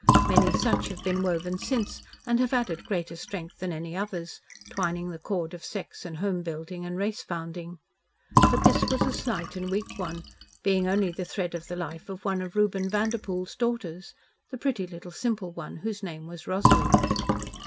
Many such have been woven since and have added greater strength than any others, twining the cord of sex and home building and race founding. But this was a slight and weak one, being only the thread of the life of one of Reuben Vanderpoel's daughters the pretty little simple one whose name was Rosalie.